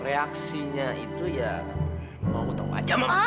reaksinya itu ya mau tau aja mama